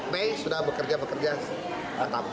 mei sudah bekerja bekerja tetap